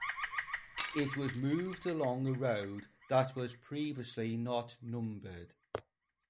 It was moved along a road that was previously not numbered.